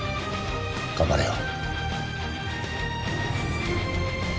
頑張るよ。